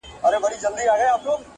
په اذان به یې وګړي روژه نه سي ماتولای -